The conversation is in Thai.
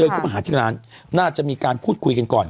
เข้ามาหาที่ร้านน่าจะมีการพูดคุยกันก่อน